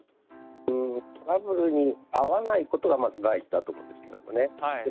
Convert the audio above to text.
トラブルに遭わないことがまず第一だと思うんですけどね。